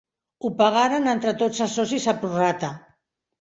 Ho pagaren entre tots els socis a prorrata.